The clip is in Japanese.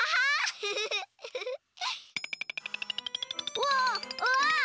うわうわ！